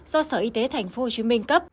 do sở y tế tp hcm cấp